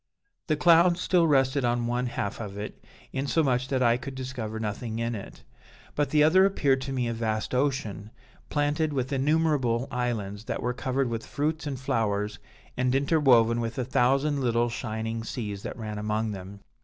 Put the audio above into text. "The clouds still rested on one half of it, insomuch that I could discover nothing in it; but the other appeared to me a vast ocean, planted with innumerable islands that were covered with fruits and flowers and interwoven with a thousand little shining seas that ran among them.